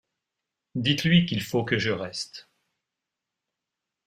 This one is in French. Dites-lui qu’il faut que je reste.